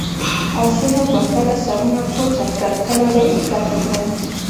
اسونو به کله سرونه پورته کړل، کله به یې کښته کړل.